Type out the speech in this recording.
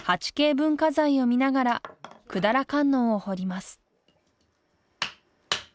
文化財を見ながら百済観音を彫ります